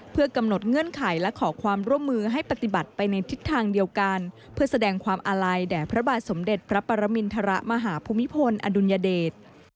เพื่อกำหนดเงื่อนไขและขอความร่วมมือให้ปฏิบัติไปในทิศทางเดียวกันเพื่อแสดงความอาลัยแด่พระบาทสมเด็จพระปรมินทรมาหาภูมิพลอดุลยเดช